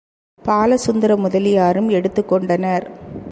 பாலசுந்தர முதலியாரும் எடுத்துக்கொண்டனர்.